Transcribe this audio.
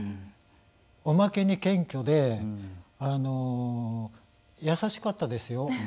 おまけに謙虚で優しかったですよ。